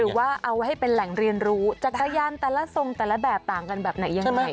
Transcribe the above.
หรือว่าเอาให้เป็นแหล่งเรียนรู้จักรยานแต่ละทรงแต่ละแบบต่างกันแบบไหนยังไง